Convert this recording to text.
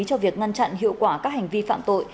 cho việc ngăn chặn hiệu quả các hành vi phạm tội